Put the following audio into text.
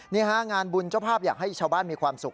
นี่ฮะงานบุญเจ้าภาพอยากให้ชาวบ้านมีความสุข